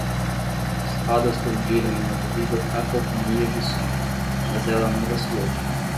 Espadas colidiram em uma terrível cacofonia de som, mas ela não vacilou.